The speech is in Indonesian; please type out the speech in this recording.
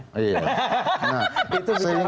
itu sebenarnya rasus